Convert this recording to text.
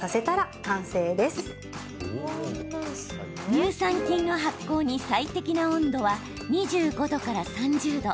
乳酸菌の発酵に最適な温度は２５度から３０度。